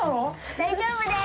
大丈夫です。